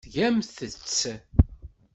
Tgamt-tt!